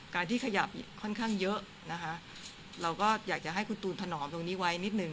การที่ขยับค่อนข้างเยอะนะคะเราก็อยากจะให้คุณตูนถนอมตรงนี้ไว้นิดหนึ่ง